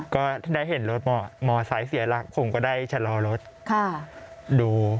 ก็ได้เห็นรถมอไซค์เสียหลักผมก็ได้ชะลอรถดู